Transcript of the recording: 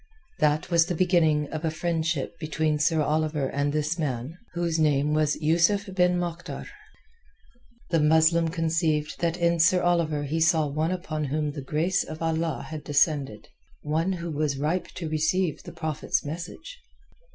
That was the beginning of a friendship between Sir Oliver and this man, whose name was Yusuf ben Moktar. The Muslim conceived that in Sir Oliver he saw one upon whom the grace of Allah had descended, one who was ripe to receive the Prophet's message.